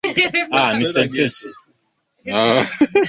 Idadi ya wakazi ilikuwa milioni moja